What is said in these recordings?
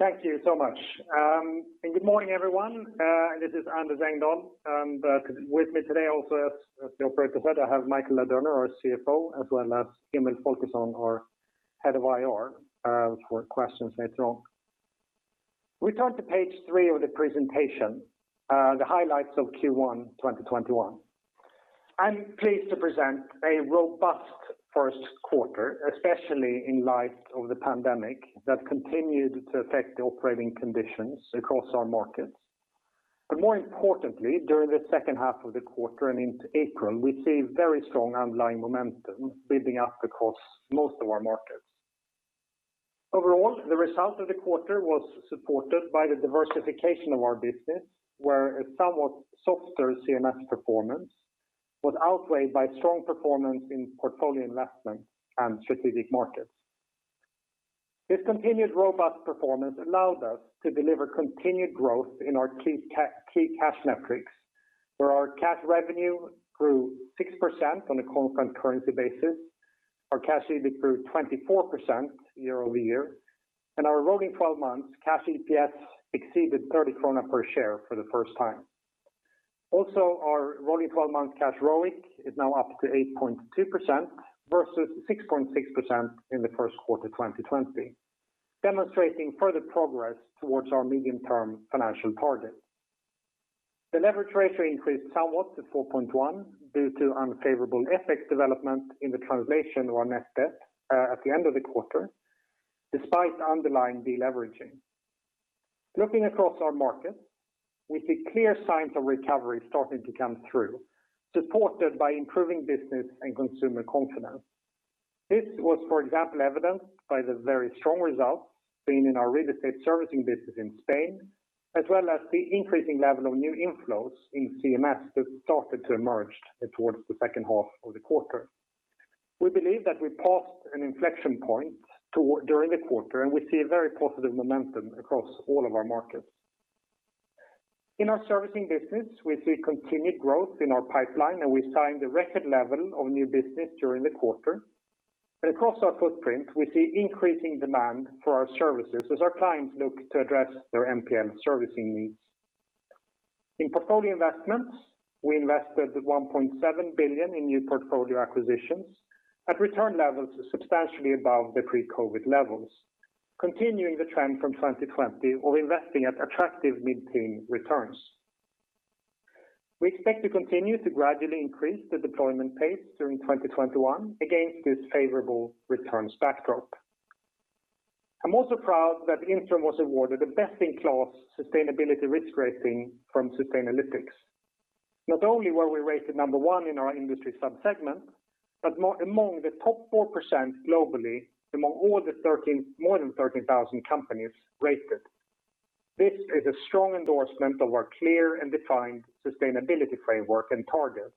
Thank you so much. Good morning, everyone. This is Anders Engdahl. With me today also as the operator said, I have Michael Ladurner, our CFO, as well as Emil Folkesson, our Head of IR for questions later on. We turn to page three of the presentation, the highlights of Q1 2021. I am pleased to present a robust first quarter, especially in light of the pandemic that continued to affect the operating conditions across our markets. More importantly, during the second half of the quarter and into April, we see very strong underlying momentum building up across most of our markets. Overall, the result of the quarter was supported by the diversification of our business, where a somewhat softer CMS performance was outweighed by strong performance in Portfolio Investment and strategic markets. This continued robust performance allowed us to deliver continued growth in our key cash metrics, where our cash revenue grew 6% on a constant currency basis. Our cash EBITDA grew 24% year-over-year, and our rolling 12 months cash EPS exceeded 30 krona per share for the first time. Our rolling 12-month cash ROIC is now up to 8.2% versus 6.6% in the first quarter 2020, demonstrating further progress towards our medium-term financial targets. The leverage ratio increased somewhat to 4.1 due to unfavorable FX development in the translation of our net debt at the end of the quarter, despite underlying de-leveraging. Looking across our markets, we see clear signs of recovery starting to come through, supported by improving business and consumer confidence. This was, for example, evidenced by the very strong results seen in our real estate servicing business in Spain, as well as the increasing level of new inflows in CMS that started to emerge towards the second half of the quarter. We believe that we passed an inflection point during the quarter, and we see a very positive momentum across all of our markets. In our servicing business, we see continued growth in our pipeline, and we signed a record level of new business during the quarter. Across our footprint, we see increasing demand for our services as our clients look to address their NPL servicing needs. In portfolio investments, we invested 1.7 billion in new portfolio acquisitions at return levels substantially above the pre-COVID-19 levels, continuing the trend from 2020 of investing at attractive mid-teen returns. We expect to continue to gradually increase the deployment pace during 2021 against this favorable returns backdrop. I'm also proud that Intrum was awarded a best-in-class sustainability risk rating from Sustainalytics. Not only were we rated number one in our industry sub-segment, but among the top 4% globally among more than 13,000 companies rated. This is a strong endorsement of our clear and defined sustainability framework and targets,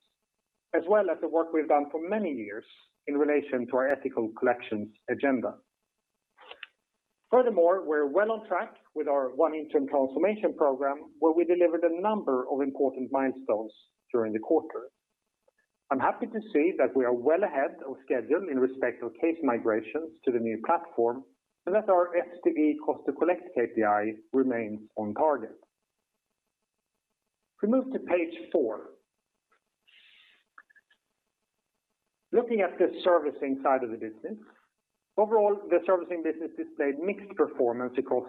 as well as the work we've done for many years in relation to our ethical collections agenda. We're well on track with our ONE Intrum transformation program, where we delivered a number of important milestones during the quarter. I'm happy to say that we are well ahead of schedule in respect of case migrations to the new platform and that our FTE cost-to-collect KPI remains on target. We move to page four. Looking at the servicing side of the business. Overall, the servicing business displayed mixed performance across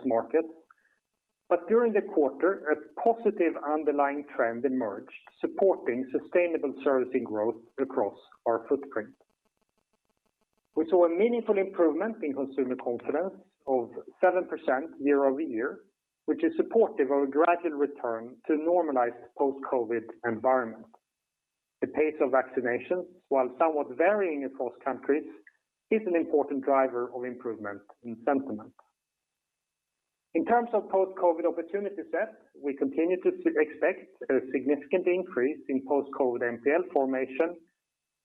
markets. During the quarter, a positive underlying trend emerged, supporting sustainable servicing growth across our footprint. We saw a meaningful improvement in consumer confidence of 7% year-over-year, which is supportive of a gradual return to normalized post-COVID environment. The pace of vaccinations, while somewhat varying across countries, is an important driver of improvement in sentiment. In terms of post-COVID opportunity set, we continue to expect a significant increase in post-COVID NPL formation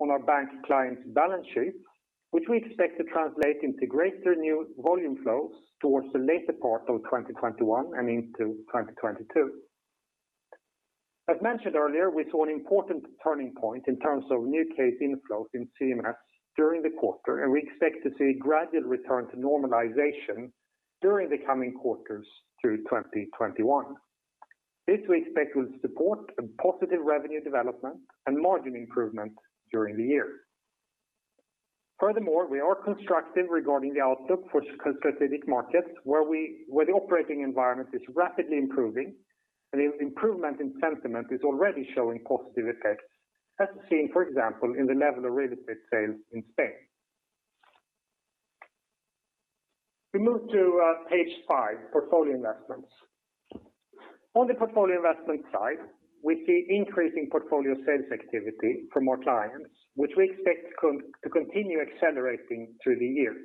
on our bank clients' balance sheets which we expect to translate into greater new volume flows towards the later part of 2021 and into 2022. As mentioned earlier, we saw an important turning point in terms of new case inflows in CMS during the quarter. We expect to see gradual return to normalization during the coming quarters through 2021. This we expect will support a positive revenue development and margin improvement during the year. Furthermore, we are constructive regarding the outlook for specific markets where the operating environment is rapidly improving and improvement in sentiment is already showing positive effects as seen, for example, in the level of real estate sales in Spain. We move to page five, portfolio investments. On the portfolio investment side, we see increasing portfolio sales activity from our clients, which we expect to continue accelerating through the year.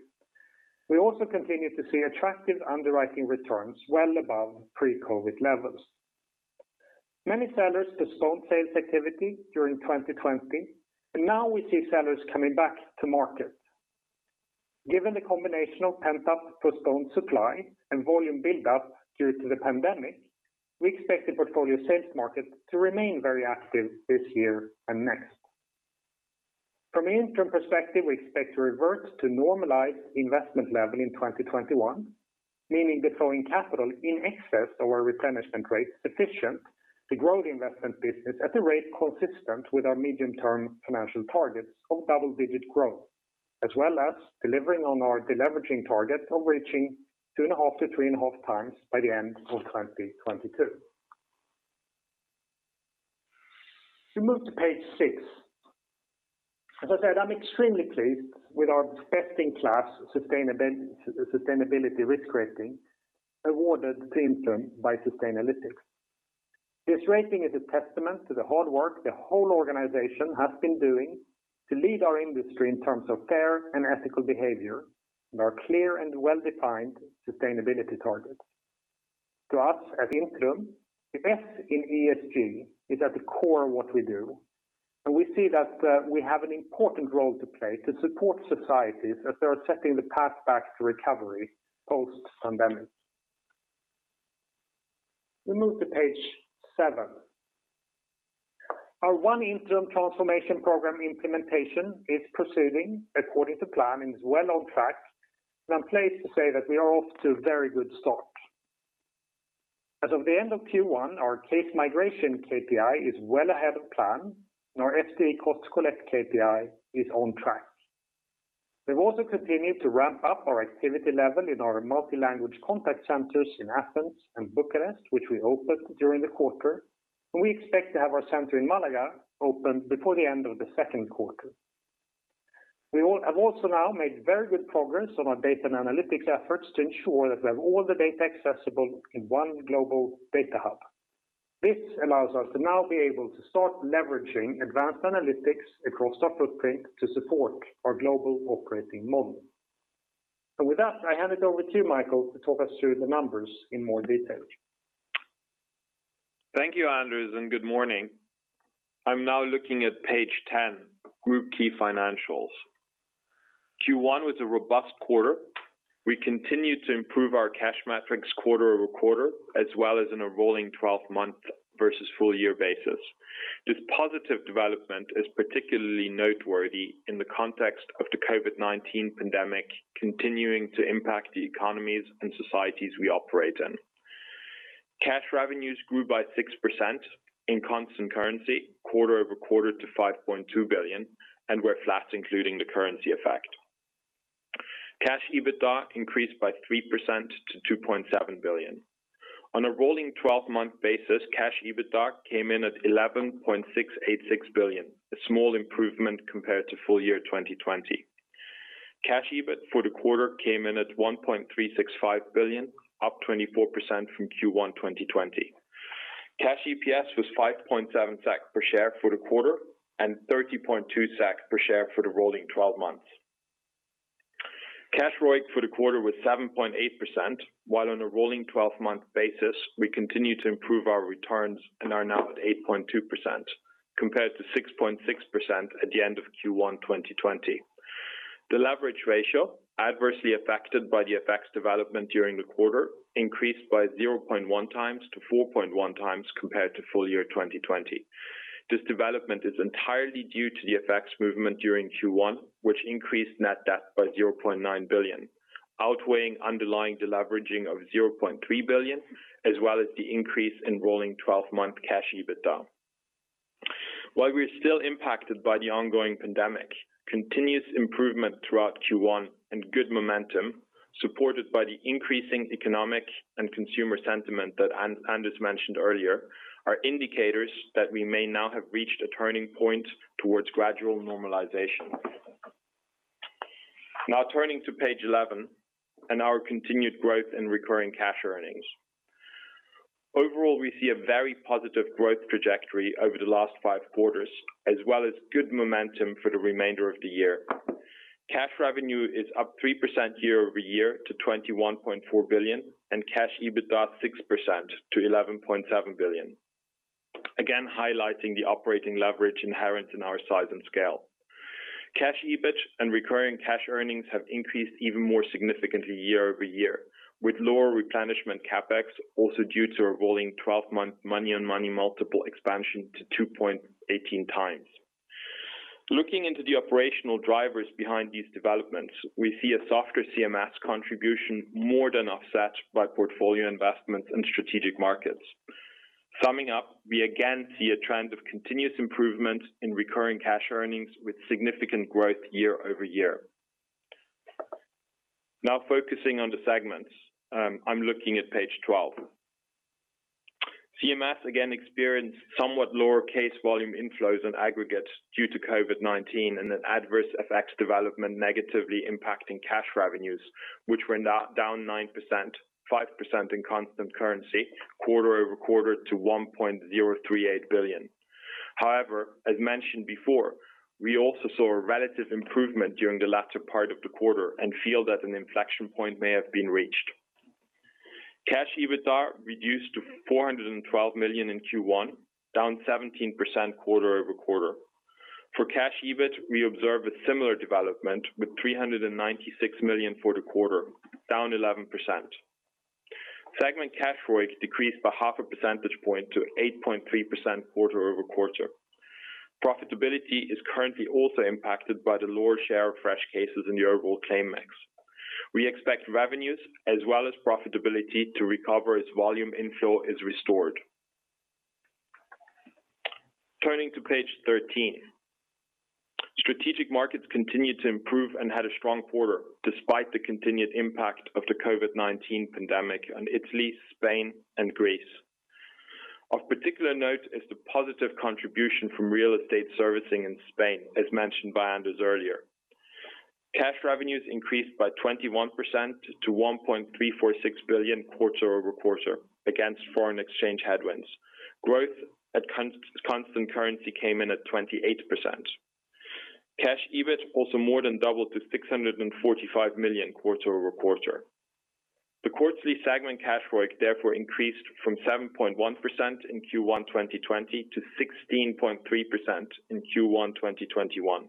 We also continue to see attractive underwriting returns well above pre-COVID-19 levels. Many sellers postponed sales activity during 2020. Now we see sellers coming back to market. Given the combination of pent-up postponed supply and volume build-up due to the pandemic, we expect the portfolio sales market to remain very active this year and next. From an Intrum perspective, we expect to revert to normalized investment level in 2021, meaning deploying capital in excess of our replenishment rate sufficient to grow the investment business at a rate consistent with our medium-term financial targets of double-digit growth, as well as delivering on our deleveraging target of reaching 2.5-3.5 times by the end of 2022. We move to page six. As I said, I'm extremely pleased with our best-in-class sustainability risk rating awarded to Intrum by Sustainalytics. This rating is a testament to the hard work the whole organization has been doing to lead our industry in terms of fair and ethical behavior and our clear and well-defined sustainability targets. To us at Intrum, the S in ESG is at the core of what we do, and we see that we have an important role to play to support societies as they are setting the path back to recovery post-pandemic. We move to page seven. Our ONE Intrum transformation program implementation is proceeding according to plan and is well on track. I'm pleased to say that we are off to a very good start. As of the end of Q1, our case migration KPI is well ahead of plan. Our FTE cost to collect KPI is on track. We've also continued to ramp up our activity level in our multi-language contact centers in Athens and Bucharest, which we opened during the quarter. We expect to have our center in Malaga open before the end of the second quarter. We have also now made very good progress on our data and analytics efforts to ensure that we have all the data accessible in one global data hub. This allows us to now be able to start leveraging advanced analytics across our footprint to support our global operating model. With that, I hand it over to you, Michael, to talk us through the numbers in more detail. Thank you, Anders, and good morning. I'm now looking at page 10, Group Key Financials. Q1 was a robust quarter. We continued to improve our cash metrics quarter-over-quarter, as well as in a rolling 12-month versus full-year basis. This positive development is particularly noteworthy in the context of the COVID-19 pandemic continuing to impact the economies and societies we operate in. Cash revenues grew by 6% in constant currency quarter-over-quarter to 5.2 billion and were flat including the currency effect. Cash EBITDA increased by 3% to 2.7 billion. On a rolling 12-month basis, cash EBITDA came in at 11.686 billion, a small improvement compared to full year 2020. Cash EBIT for the quarter came in at 1.365 billion, up 24% from Q1 2020. Cash EPS was 5.7 SEK per share for the quarter and 30.2 SEK per share for the rolling 12 months. Cash ROIC for the quarter was 7.8%, while on a rolling 12-month basis, we continue to improve our returns and are now at 8.2%, compared to 6.6% at the end of Q1 2020. The leverage ratio, adversely affected by the FX development during the quarter, increased by 0.1 times to 4.1 times compared to full year 2020. This development is entirely due to the FX movement during Q1, which increased net debt by 0.9 billion, outweighing underlying deleveraging of 0.3 billion as well as the increase in rolling 12-month cash EBITDA. While we're still impacted by the ongoing pandemic, continuous improvement throughout Q1 and good momentum, supported by the increasing economic and consumer sentiment that Anders mentioned earlier, are indicators that we may now have reached a turning point towards gradual normalization. Now turning to page 11 and our continued growth in recurring cash earnings. Overall, we see a very positive growth trajectory over the last five quarters as well as good momentum for the remainder of the year. Cash revenue is up 3% year-over-year to 21.4 billion and cash EBITDA 6% to 11.7 billion. Highlighting the operating leverage inherent in our size and scale. Cash EBIT and recurring cash earnings have increased even more significantly year-over-year with lower replenishment CapEx also due to a rolling 12-month money-on-money multiple expansion to 2.18x. Looking into the operational drivers behind these developments, we see a softer CMS contribution more than offset by portfolio investments in strategic markets. Summing up, we again see a trend of continuous improvement in recurring cash earnings with significant growth year-over-year. Focusing on the segments. I'm looking at page 12. CMS again experienced somewhat lower case volume inflows on aggregate due to COVID-19 and an adverse FX development negatively impacting cash revenues, which were down 9%, 5% in constant currency, quarter-over-quarter to 1.038 billion. As mentioned before, we also saw a relative improvement during the latter part of the quarter and feel that an inflection point may have been reached. Cash EBITDA reduced to 412 million in Q1, down 17% quarter-over-quarter. For cash EBIT, we observe a similar development with 396 million for the quarter, down 11%. Segment cash ROIC decreased by half a percentage point to 8.3% quarter-over-quarter. Profitability is currently also impacted by the lower share of fresh cases in the overall claim mix. We expect revenues as well as profitability to recover as volume inflow is restored. Turning to page 13. Strategic markets continued to improve and had a strong quarter, despite the continued impact of the COVID-19 pandemic on Italy, Spain, and Greece. Of particular note is the positive contribution from real estate servicing in Spain, as mentioned by Anders earlier. Cash revenues increased by 21% to 1.346 billion quarter-over-quarter against foreign exchange headwinds. Growth at constant currency came in at 28%. Cash EBIT also more than doubled to 645 million quarter-over-quarter. The quarterly segment cash ROIC therefore increased from 7.1% in Q1 2020 to 16.3% in Q1 2021.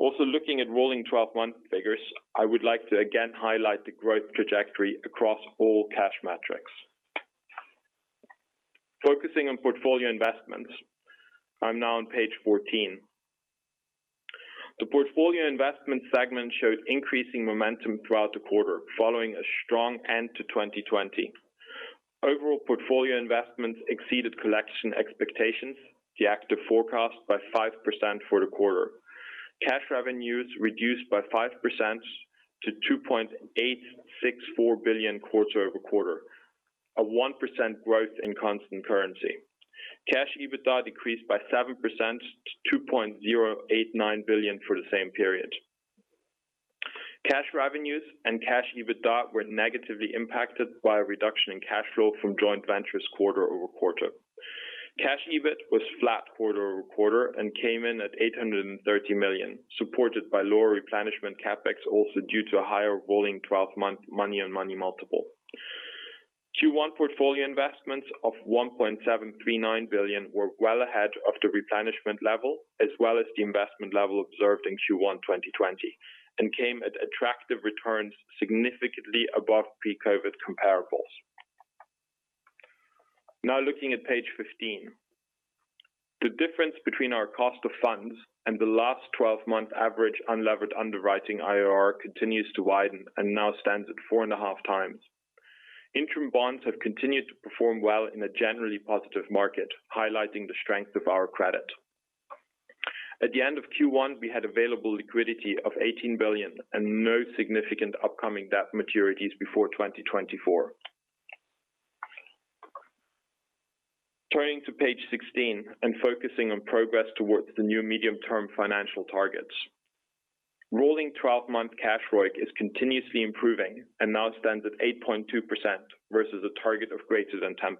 Also looking at rolling 12-month figures, I would like to again highlight the growth trajectory across all cash metrics. Focusing on portfolio investments. I'm now on page 14. The Portfolio Investment segment showed increasing momentum throughout the quarter, following a strong end to 2020. Overall portfolio investments exceeded collection expectations, the active forecast by 5% for the quarter. Cash revenues reduced by 5% to 2.864 billion quarter-over-quarter, a 1% growth in constant currency. Cash EBITDA decreased by 7% to 2.089 billion for the same period. Cash revenues and cash EBITDA were negatively impacted by a reduction in cash flow from joint ventures quarter-over-quarter. Cash EBIT was flat quarter-over-quarter and came in at 830 million, supported by lower replenishment CapEx also due to a higher rolling 12-month money and money multiple. Q1 portfolio investments of SEK 1.739 billion were well ahead of the replenishment level, as well as the investment level observed in Q1 2020 and came at attractive returns significantly above pre-COVID comparables. Now looking at page 15. The difference between our cost of funds and the last 12-month average unlevered underwriting IRR continues to widen and now stands at 4.5 times. Intrum bonds have continued to perform well in a generally positive market, highlighting the strength of our credit. At the end of Q1, we had available liquidity of 18 billion and no significant upcoming debt maturities before 2024. Turning to page sixteen and focusing on progress towards the new medium-term financial targets. Rolling 12-month cash ROIC is continuously improving and now stands at 8.2% versus a target of greater than 10%.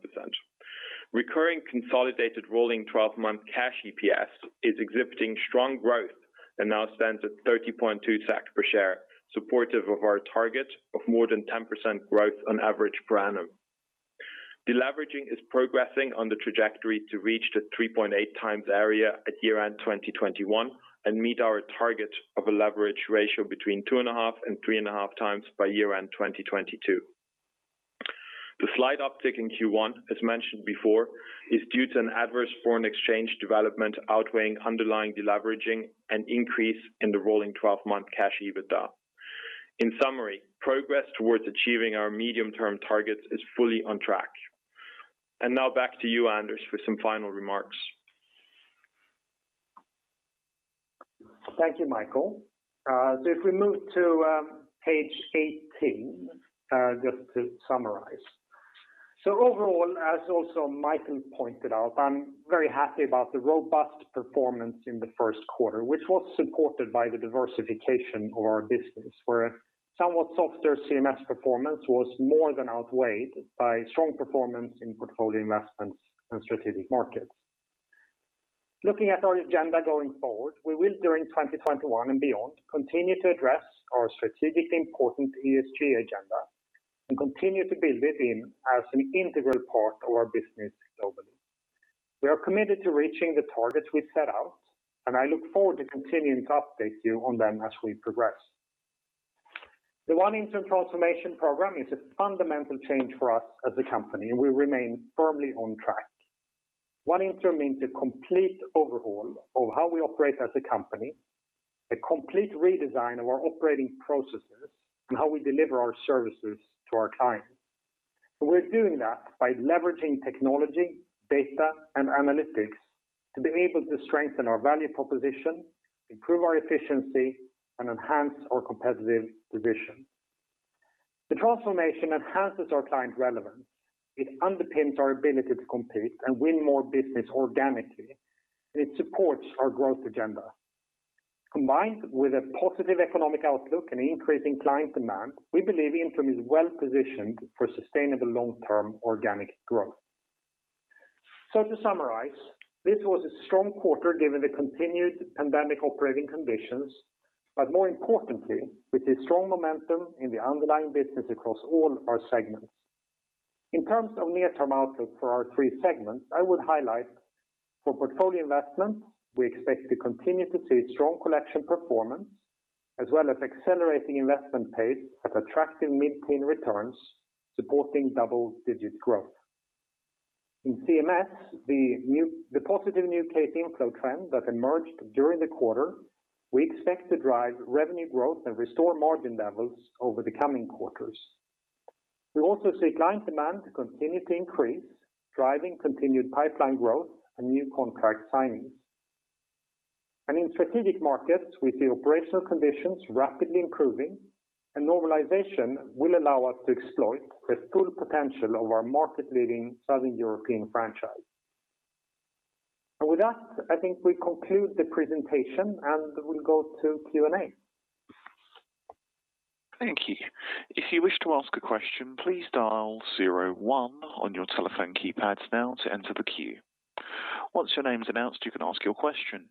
Recurring consolidated rolling 12-month cash EPS is exhibiting strong growth and now stands at 30.2 per share, supportive of our target of more than 10% growth on average per annum. Deleveraging is progressing on the trajectory to reach the 3.8 times area at year-end 2021 and meet our target of a leverage ratio between two and a half and three and a half times by year-end 2022. The slight uptick in Q1, as mentioned before, is due to an adverse foreign exchange development outweighing underlying deleveraging and increase in the rolling 12-month cash EBITDA. In summary, progress towards achieving our medium-term targets is fully on track. Now back to you, Anders, for some final remarks. Thank you, Michael. If we move to page 18, just to summarize. Overall, as also Michael pointed out, I am very happy about the robust performance in the first quarter, which was supported by the diversification of our business where somewhat softer CMS performance was more than outweighed by strong performance in portfolio investments and strategic markets. Looking at our agenda going forward, we will during 2021 and beyond, continue to address our strategically important ESG agenda and continue to build it in as an integral part of our business globally. We are committed to reaching the targets we set out, and I look forward to continuing to update you on them as we progress. The ONE Intrum transformation program is a fundamental change for us as a company, and we remain firmly on track. One Intrum means a complete overhaul of how we operate as a company, a complete redesign of our operating processes and how we deliver our services to our clients. We're doing that by leveraging technology, data, and analytics to be able to strengthen our value proposition, improve our efficiency, and enhance our competitive position. The transformation enhances our client relevance. It underpins our ability to compete and win more business organically. It supports our growth agenda. Combined with a positive economic outlook and increasing client demand, we believe Intrum is well-positioned for sustainable long-term organic growth. To summarize, this was a strong quarter given the continued pandemic operating conditions, but more importantly, with a strong momentum in the underlying business across all our segments. In terms of near-term outlook for our three segments, I would highlight for Portfolio Investment, we expect to continue to see strong collection performance. As well as accelerating investment pace at attractive mid-teen returns, supporting double-digit growth. In CMS, the positive new case inflow trend that emerged during the quarter, we expect to drive revenue growth and restore margin levels over the coming quarters. We also see client demand continue to increase, driving continued pipeline growth and new contract signings. In strategic markets, we see operational conditions rapidly improving and normalization will allow us to exploit the full potential of our market-leading Southern European franchise. With that, I think we conclude the presentation and we'll go to Q&A. Thank you. If you wish to ask a question, please dial zero one on your telephone keypads now to enter the queue. Once your name's announced, you can ask your question.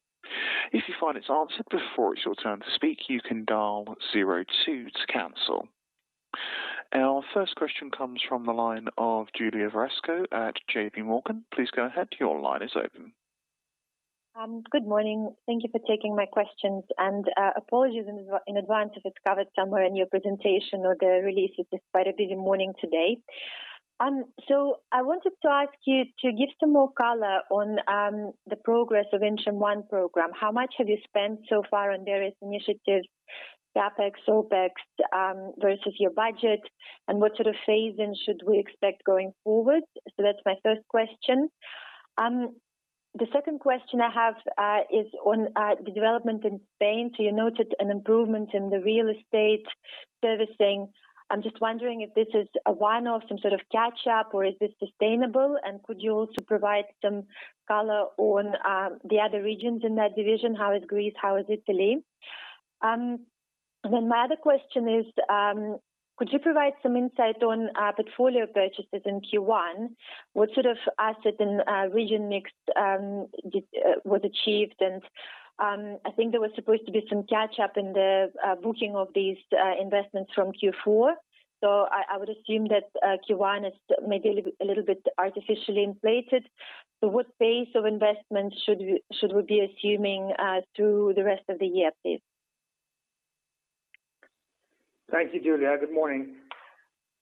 If you find it's answered before it's your turn to speak, you can dial zero two to cancel. Our first question comes from the line of Julia Varesko at JPMorgan. Please go ahead. Your line is open. Good morning. Thank you for taking my questions and apologies in advance if it's covered somewhere in your presentation or the release. It's just quite a busy morning today. I wanted to ask you to give some more color on the progress of ONE Intrum program. How much have you spent so far on various initiatives, CapEx, OpEx versus your budget, and what sort of phasing should we expect going forward? That's my first question. The second question I have is on the development in Spain. You noted an improvement in the real estate servicing. I'm just wondering if this is a one-off, some sort of catch up or is this sustainable? Could you also provide some color on the other regions in that division? How is Greece? How is Italy? My other question is could you provide some insight on portfolio purchases in Q1? What sort of asset and region mix was achieved? I think there was supposed to be some catch up in the booking of these investments from Q4. I would assume that Q1 is maybe a little bit artificially inflated. What pace of investment should we be assuming through the rest of the year, please? Thank you, Julia. Good morning.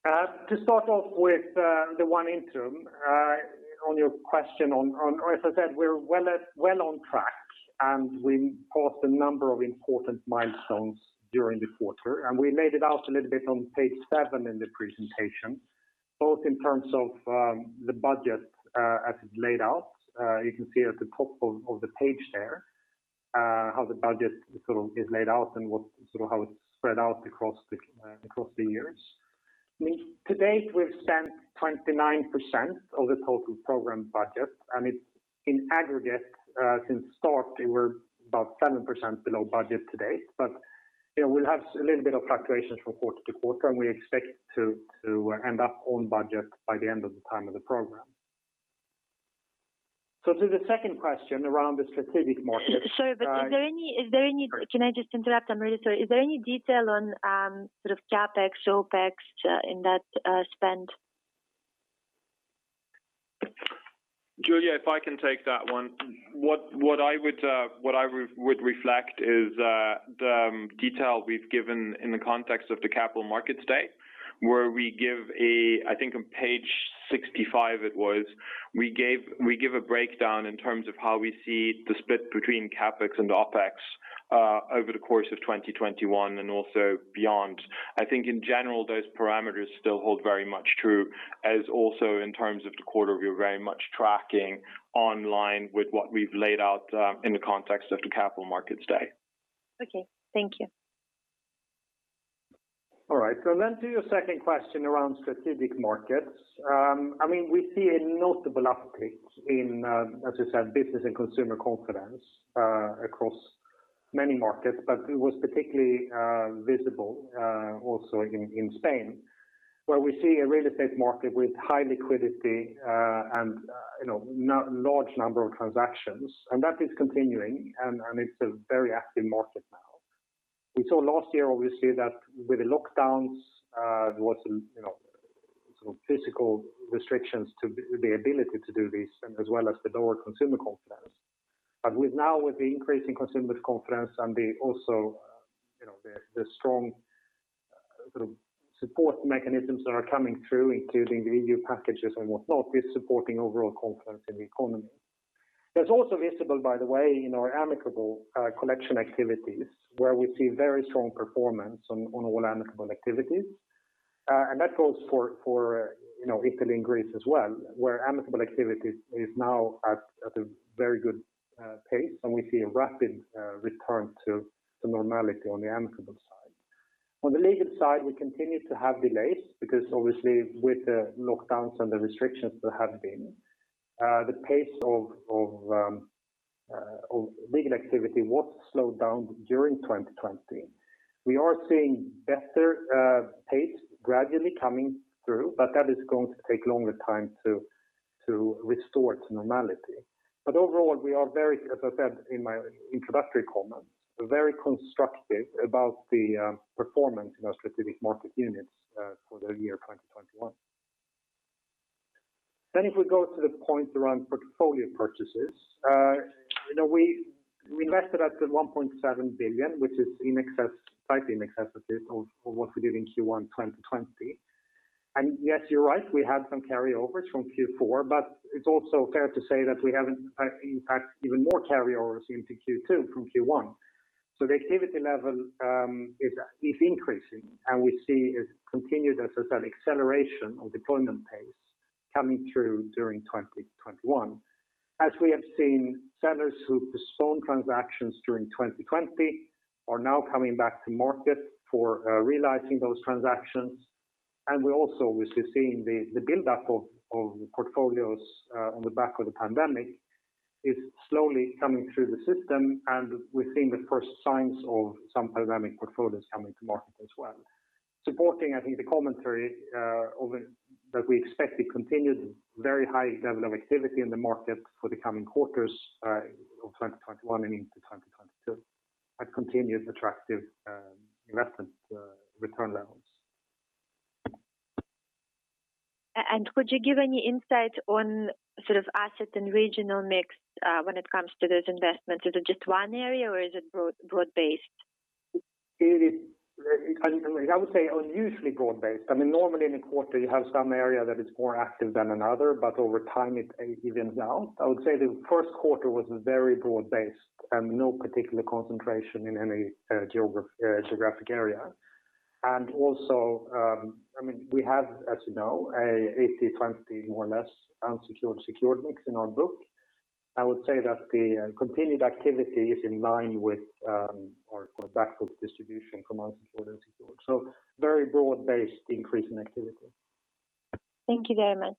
To start off with the ONE Intrum, As I said, we're well on track, and we passed a number of important milestones during the quarter. We laid it out a little bit on page seven in the presentation, both in terms of the budget as it laid out. You can see at the top of the page there how the budget is laid out and how it's spread out across the years. To date, we've spent 29% of the total program budget, and it's in aggregate since start, we're about 7% below budget to date. We'll have a little bit of fluctuations from quarter to quarter, and we expect to end up on budget by the end of the time of the program. To the second question around the strategic markets. Sorry, Can I just interrupt? I'm really sorry. Is there any detail on CapEx, OpEx in that spend? Julia, if I can take that one. What I would reflect is the detail we've given in the context of the Capital Markets Day, where we give, I think on page 65 it was, we give a breakdown in terms of how we see the split between CapEx and OpEx over the course of 2021 and also beyond. I think in general, those parameters still hold very much true as also in terms of the quarter, we're very much tracking online with what we've laid out in the context of the Capital Markets Day. Okay. Thank you. All right. To your second question around strategic markets. We see a notable uplift in, as you said, business and consumer confidence across many markets, but it was particularly visible also in Spain, where we see a real estate market with high liquidity and large number of transactions. That is continuing, and it's a very active market now. We saw last year, obviously, that with the lockdowns there was some physical restrictions to the ability to do this and as well as the lower consumer confidence. With now with the increase in consumer confidence and also the strong support mechanisms that are coming through, including the EU packages and whatnot, is supporting overall confidence in the economy. That's also visible, by the way, in our amicable collection activities, where we see very strong performance on all amicable activities. That goes for Italy and Greece as well, where amicable activity is now at a very good pace, and we see a rapid return to normality on the amicable side. On the legal side, we continue to have delays because obviously with the lockdowns and the restrictions there have been the pace of legal activity was slowed down during 2020. We are seeing better pace gradually coming through, but that is going to take longer time to restore to normality. Overall, we are very, as I said in my introductory comments, we're very constructive about the performance in our strategic market units for the year 2021. If we go to the point around portfolio purchases, we invested at the 1.7 billion, which is slightly in excess of what we did in Q1 2020. Yes, you're right, we had some carryovers from Q4, but it's also fair to say that we have, in fact, even more carryovers into Q2 from Q1. The activity level is increasing, and we see it continued as an acceleration of deployment pace coming through during 2021. As we have seen, sellers who postponed transactions during 2020 are now coming back to market for realizing those transactions. We're also seeing the build-up of portfolios on the back of the pandemic is slowly coming through the system, and we're seeing the first signs of some pandemic portfolios coming to market as well. Supporting, I think, the commentary that we expect a continued very high level of activity in the market for the coming quarters of 2021 and into 2022 at continued attractive investment return levels. Could you give any insight on asset and regional mix when it comes to those investments? Is it just one area or is it broad-based? I would say unusually broad-based. Normally in a quarter you have some area that is more active than another, but over time it evens out. I would say the first quarter was very broad-based and no particular concentration in any geographic area. Also, we have, as you know, a 80/20 more or less unsecured, secured mix in our book. I would say that the continued activity is in line with our back book distribution from unsecured and secured. Very broad-based increase in activity. Thank you very much.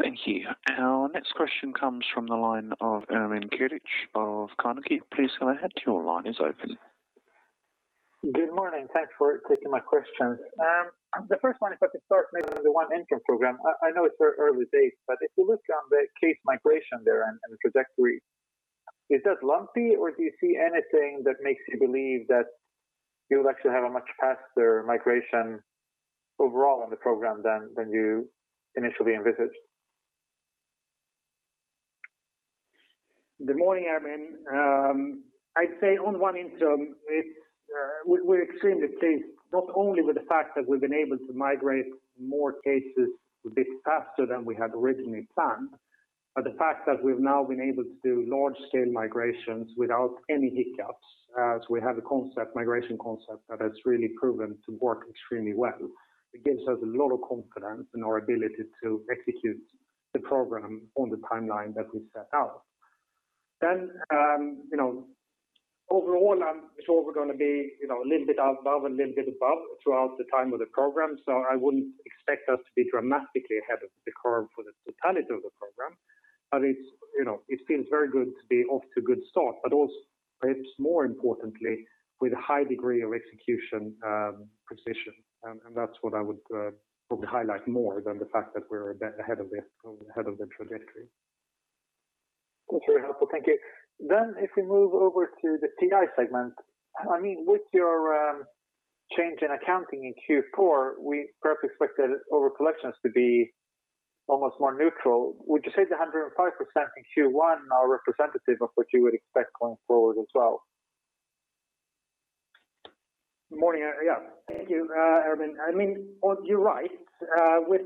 Thank you. Our next question comes from the line of Ermin Keric of Carnegie. Good morning. Thanks for taking my questions. The first one, if I could start maybe on the ONE Intrum program. I know it's very early days, but if you look on the case migration there and the trajectory, is that lumpy, or do you see anything that makes you believe that you'll actually have a much faster migration overall on the program than you initially envisaged? Good morning, Ermin. I'd say on ONE Intrum, we're extremely pleased, not only with the fact that we've been able to migrate more cases a bit faster than we had originally planned, but the fact that we've now been able to do large-scale migrations without any hiccups as we have a migration concept that has really proven to work extremely well. It gives us a lot of confidence in our ability to execute the program on the timeline that we set out. Overall, I'm sure we're going to be a little bit above and little bit above throughout the time of the program. I wouldn't expect us to be dramatically ahead of the curve for the totality of the program. It feels very good to be off to a good start, but also perhaps more importantly, with a high degree of execution precision. That's what I would probably highlight more than the fact that we're a bit ahead of the trajectory. That's very helpful. Thank you. If we move over to the PI segment. With your change in accounting in Q4, we perhaps expected over collections to be almost more neutral. Would you say the 105% in Q1 are representative of what you would expect going forward as well? Good morning. Thank you, Ermin Keric. You're right. With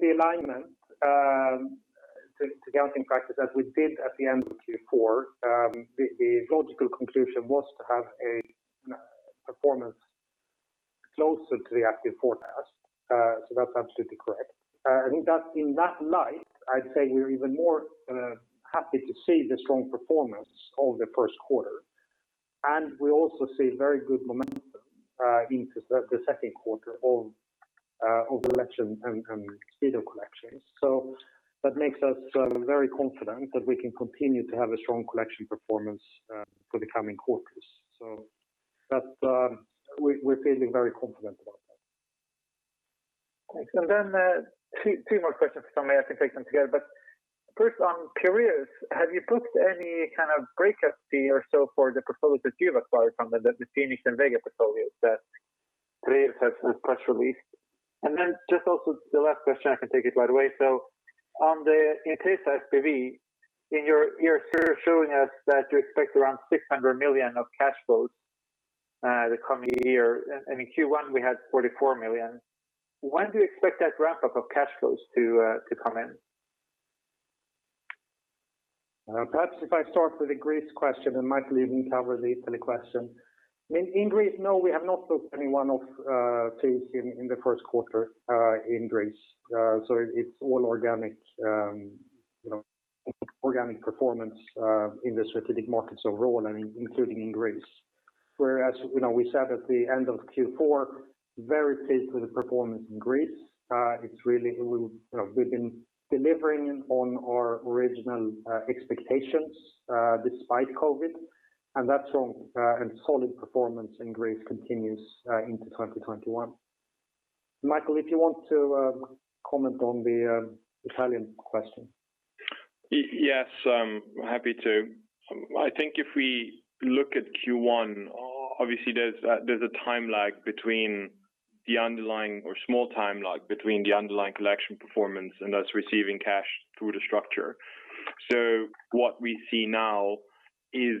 the alignment to accounting practice as we did at the end of Q4, the logical conclusion was to have a performance closer to the active forecast. That's absolutely correct. I think that in that light, I'd say we're even more happy to see the strong performance of the first quarter. We also see very good momentum into the second quarter of collection and speed of collections. That makes us very confident that we can continue to have a strong collection performance for the coming quarters. We're feeling very confident about that. Thanks. Two more questions if I may. I can take them together. First on Curious, have you booked any kind of breakout fee or so for the portfolios that you've acquired from them, the Phoenix and Vega portfolios that Curious has press released? Just also the last question, I can take it right away. On the Intesa SPV, you're showing us that you expect around 600 million of cash flows the coming year, and in Q1 we had 44 million. When do you expect that ramp-up of cash flows to come in? Perhaps if I start with the Greece question, and Michael, you can cover the Italy question. In Greece, no, we have not booked any one-off deals in the first quarter in Greece. It's all organic performance in the strategic markets overall and including in Greece. We said at the end of Q4, very pleased with the performance in Greece. We've been delivering on our original expectations despite COVID-19, and that strong and solid performance in Greece continues into 2021. Michael, if you want to comment on the Italian question Yes, I'm happy to. I think if we look at Q1, obviously there's a time lag between the underlying or small time lag between the underlying collection performance and us receiving cash through the structure. What we see now is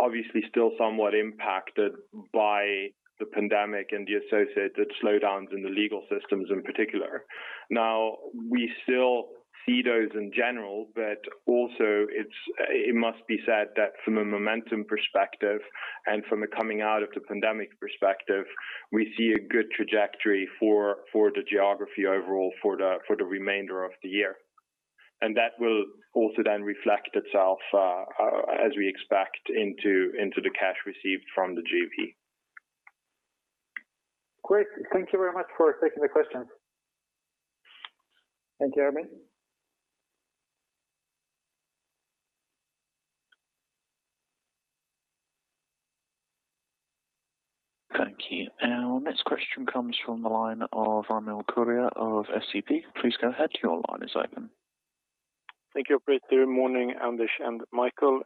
obviously still somewhat impacted by the pandemic and the associated slowdowns in the legal systems in particular. We still see those in general, but also it must be said that from a momentum perspective and from a coming out of the pandemic perspective, we see a good trajectory for the geography overall for the remainder of the year. That will also then reflect itself as we expect into the cash received from the JV. Great. Thank you very much for taking the question. Thank you, Ermin. Thank you. Our next question comes from the line of Ramil Koria of SEB. Please go ahead. Your line is open. Thank you, operator. Morning, Anders and Michael.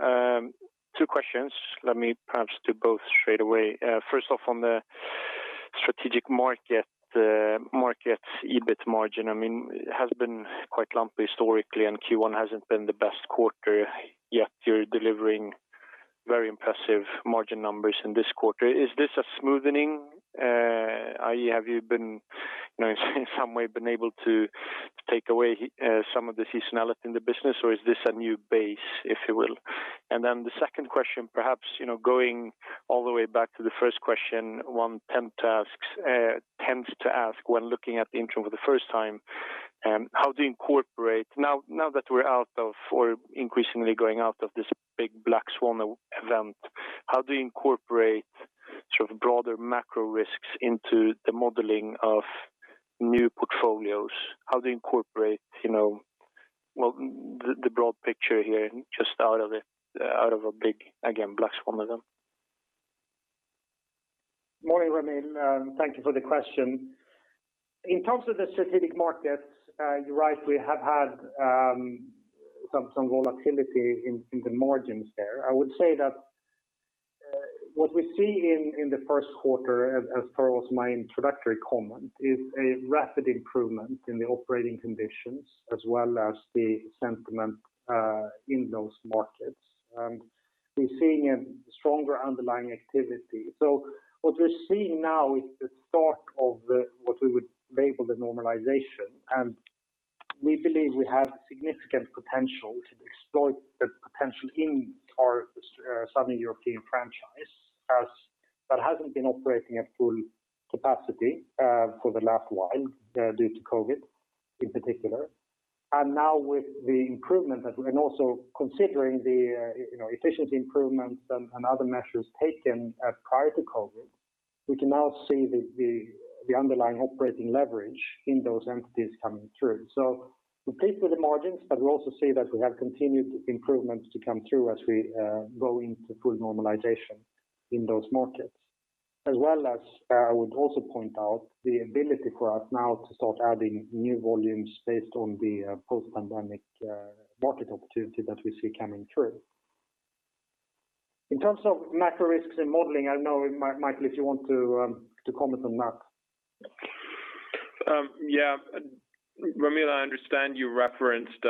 Two questions. Let me perhaps do both straight away. First off on the strategic market, EBIT margin has been quite lumpy historically. Q1 hasn't been the best quarter yet you're delivering very impressive margin numbers in this quarter. Is this a smoothening? Have you in some way been able to take away some of the seasonality in the business or is this a new base, if you will? The second question, perhaps going all the way back to the first question one tends to ask when looking at Intrum for the first time, how do you incorporate now that we're out of or increasingly going out of this big black swan event, how do you incorporate broader macro risks into the modeling of new portfolios? How do you incorporate the broad picture here just out of a big, again, black swan event? Morning, Ramil. Thank you for the question. In terms of the strategic markets, you're right, we have had some volatility in the margins there. I would say that what we see in the first quarter as far as my introductory comment is a rapid improvement in the operating conditions as well as the sentiment in those markets. We're seeing a stronger underlying activity. What we're seeing now is the start of what we would label the normalization and we believe we have significant potential to exploit the potential in our Southern European franchise as that hasn't been operating at full capacity for the last while due to COVID in particular. Now with the improvement and also considering the efficiency improvements and other measures taken prior to COVID, we can now see the underlying operating leverage in those entities coming through. We're pleased with the margins, but we also see that we have continued improvements to come through as we go into full normalization in those markets. As well as I would also point out the ability for us now to start adding new volumes based on the post-pandemic market opportunity that we see coming through. In terms of macro risks and modeling, I don't know, Michael, if you want to comment on that. Ramil, I understand you referenced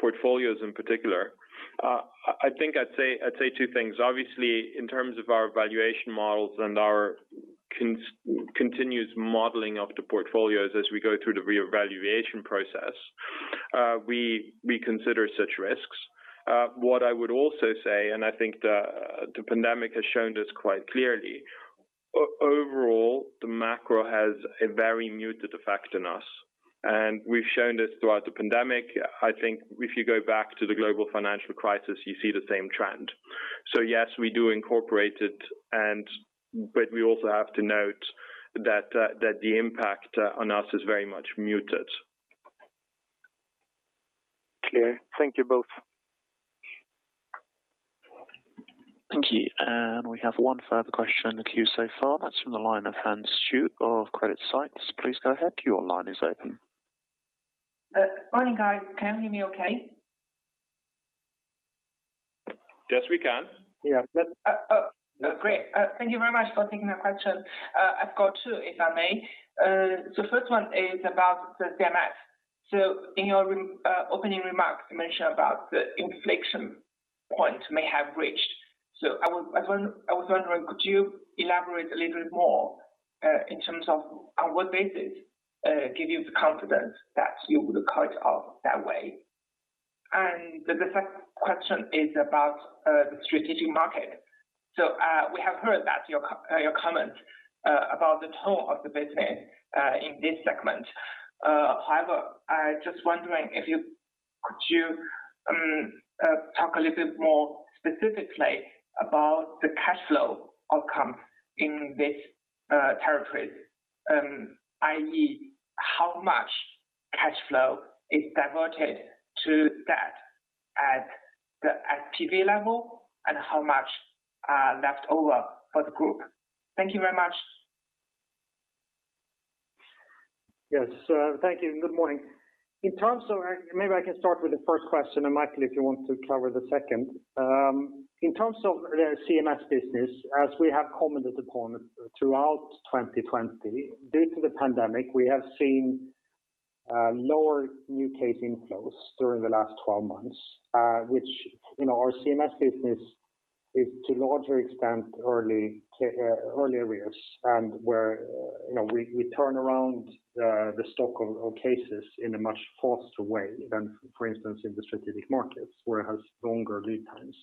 portfolios in particular. I think I'd say two things. Obviously, in terms of our valuation models and our continuous modeling of the portfolios as we go through the reevaluation process, we consider such risks. What I would also say, and I think the pandemic has shown us quite clearly, overall the macro has a very muted effect on us and we've shown this throughout the pandemic. I think if you go back to the global financial crisis, you see the same trend. Yes, we do incorporate it, but we also have to note that the impact on us is very much muted. Clear. Thank you both. Thank you. We have one further question in the queue so far. That's from the line of Hans Zhu of CreditSights. Please go ahead. Your line is open. Morning, guys. Can you hear me okay? Yes, we can. Yeah. Oh, great. Thank you very much for taking the question. I've got two if I may. The first one is about the CMS. In your opening remarks, you mentioned about the inflection point may have reached. I was wondering, could you elaborate a little bit more in terms of on what basis give you the confidence that you would cut off that way? The second question is about the strategic market. We have heard that your comment about the tone of the business in this segment. However, I just wondering could you talk a little bit more specifically about the cash flow outcome in this territory i.e how much cash flow is diverted to that at the SPV level and how much left over for the group? Thank you very much. Yes. Thank you and good morning. Maybe I can start with the first question. Michael, if you want to cover the second. In terms of the CMS business, as we have commented upon throughout 2020, due to the pandemic, we have seen lower new case inflows during the last 12 months which our CMS business is to a larger extent early arrears and where we turn around the stock of cases in a much faster way than, for instance, in the strategic markets where it has longer lead times.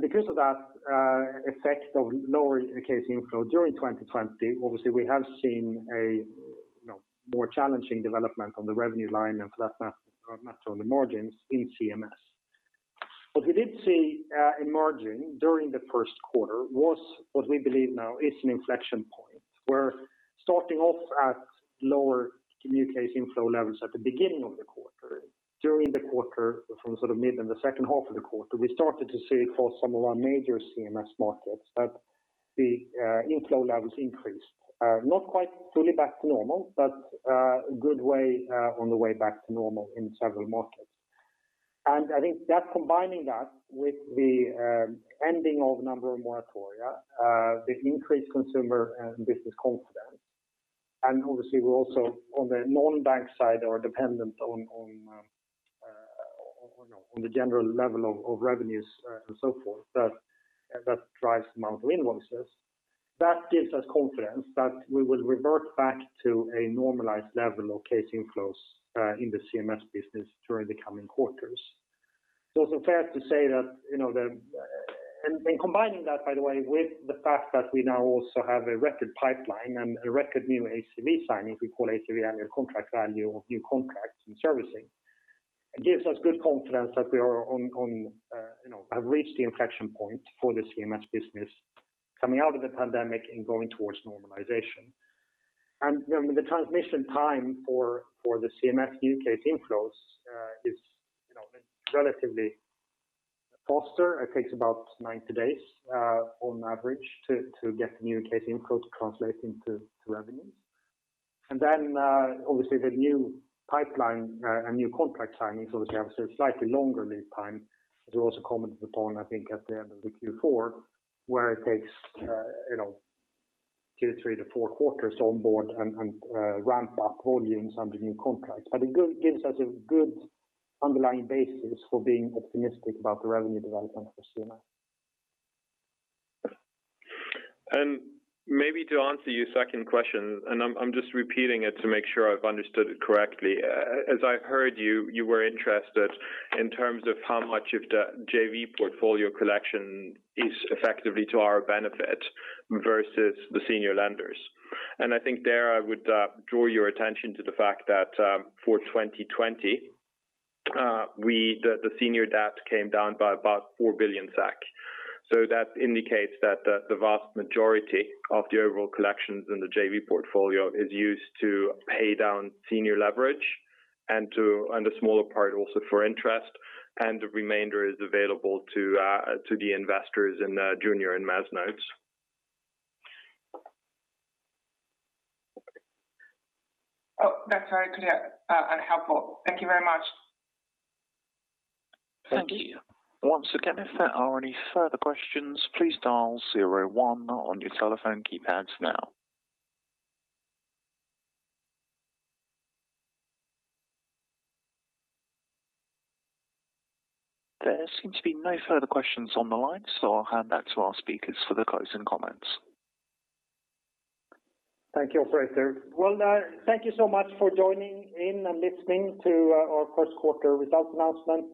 Because of that effect of lower case inflow during 2020, obviously we have seen a more challenging development on the revenue line and for that matter on the margins in CMS. What we did see in margin during the first quarter was what we believe now is an inflection point where starting off at lower new case inflow levels at the beginning of the quarter. During the quarter from sort of mid and the second half of the quarter, we started to see for some of our major CMS markets that the inflow levels increased. Not quite fully back to normal, but a good way on the way back to normal in several markets. I think combining that with the ending of a number of moratoria, the increased consumer and business confidence, and obviously we're also on the non-bank side are dependent on the general level of revenues and so forth that drives the amount of invoices. That gives us confidence that we will revert back to a normalized level of case inflows in the CMS business during the coming quarters. It's also fair to say that in combining that, by the way, with the fact that we now also have a record pipeline and a record new ACV signing, we call ACV annual contract value of new contracts and servicing. It gives us good confidence that we have reached the inflection point for the CMS business coming out of the pandemic and going towards normalization. The transmission time for the CMS new case inflows is relatively faster. It takes about 90 days on average to get the new case inflow to translate into revenues. Obviously the new pipeline and new contract signings obviously have a slightly longer lead time, as we also commented upon, I think at the end of the Q4 where it takes two to three to four quarters on board and ramp up volumes under new contracts. It gives us a good underlying basis for being optimistic about the revenue development for CMS. Maybe to answer your second question, and I'm just repeating it to make sure I've understood it correctly. As I've heard you were interested in terms of how much of the JV portfolio collection is effectively to our benefit versus the senior lenders. I think there I would draw your attention to the fact that for 2020 the senior debt came down by about 4 billion SEK. That indicates that the vast majority of the overall collections in the JV portfolio is used to pay down senior leverage and a smaller part also for interest and the remainder is available to the investors in the junior and mezz notes. Oh, that's very clear and helpful. Thank you very much. Thank you. There seem to be no further questions on the line, so I'll hand back to our speakers for the closing comments. Thank you, operator. Well, thank you so much for joining in and listening to our first quarter results announcement,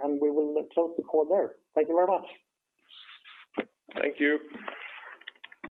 and we will close the call there. Thank you very much. Thank you.